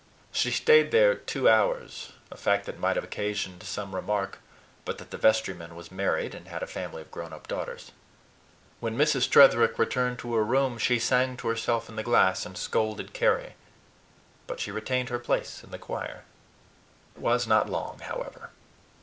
She staid there two hours a fact that might have occasioned some remark but that the vestryman was married, and had a family of grownup daughters. When Mrs. Tretherick returned to her room, she sang to herself in the glass and scolded Carry but she retained her place in the choir. It was not long, however.